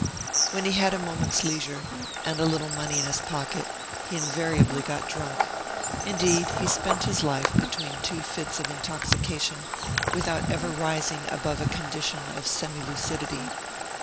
When he had a moment's leisure, and a little money in his pocket, he invariably got drunk. Indeed, he spent his life between two fits of intoxication, without ever rising above a condition of semi lucidity.